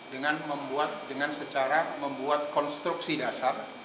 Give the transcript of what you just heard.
dengan membuat dengan secara membuat konstruksi dasar